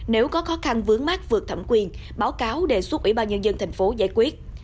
nếu có khó khăn vướng mát vượt thẩm quyền báo cáo đề xuất ubnd tp giải quyết